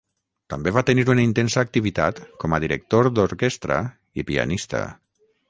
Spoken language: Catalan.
També va tenir una intensa activitat com a director d'orquestra i pianista.